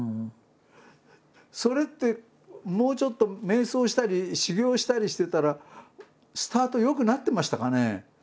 それってもうちょっと瞑想したり修行したりしてたらスタート良くなってましたかね？